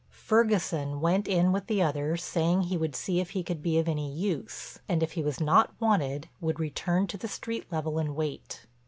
Ferguson went in with the others saying he would see if he could be of any use, and if he was not wanted would return to the street level and wait.